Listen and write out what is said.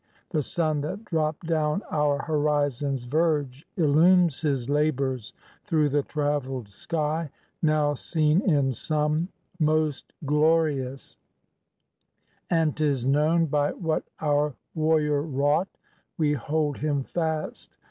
The sun that dropped down our horizon's verge, Illumes his labours through the travelled sky, Now seen in sum, most glorious; and 'tis known By what our warrior wrought we hold him fast.